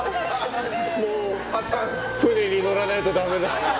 もう船に乗らないとダメだ。